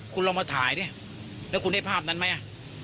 คุณลองมาถ่ายดิแล้วคุณได้ภาพนั้นไหม